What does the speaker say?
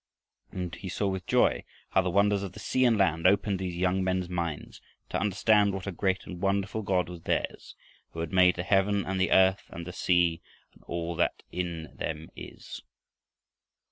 And he saw with joy how the wonders of the sea and land opened these young men's minds to understand what a great and wonderful God was theirs, who had made "the heaven and the earth and the sea, and all that in them is."